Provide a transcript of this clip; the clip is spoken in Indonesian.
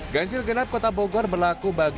ganjil genap kota bogor berlaku bagi kendaraan roda dua